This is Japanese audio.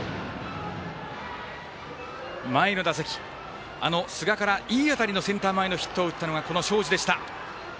前の打席、寿賀からいい当たりのセンター前のヒットを打ったのが東海林でした。